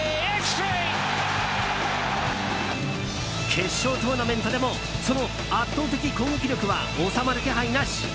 決勝トーナメントでもその圧倒的攻撃力は収まる気配なし。